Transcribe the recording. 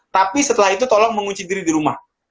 tapi setelah itu tolong mengunci diri di rumah